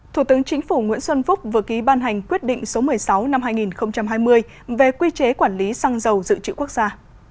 thủ tướng chính phủ nguyễn xuân phúc vừa ký ban hành quyết định số một mươi sáu năm hai nghìn hai mươi về quy chế quản lý xăng dầu dự trữ quốc gia